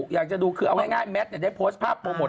อยากจะดูคือเอาง่ายแมทได้โพสต์ภาพโปรโมท